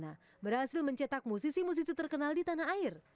yang berhasil mencetak musisi musisi terkenal di tanah air